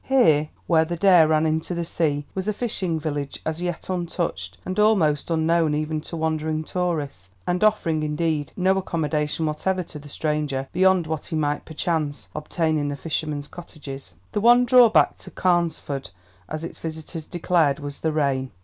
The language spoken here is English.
Here, where the Dare ran into the sea, was a fishing village as yet untouched, and almost unknown even to wandering tourists, and offering indeed no accommodation whatever to the stranger beyond what he might, perchance, obtain in the fishermen's cottages. The one drawback to Carnesford, as its visitors declared, was the rain.